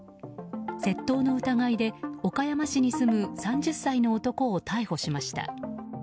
窃盗の疑いで岡山市に住む３０歳の男を逮捕しました。